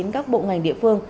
các bộ ngành địa phương